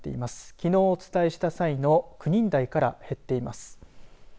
きのう、お伝えした際の９人台から減っています。